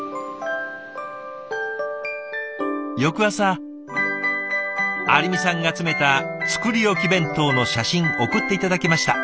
翌朝有美さんが詰めた作り置き弁当の写真送って頂きました。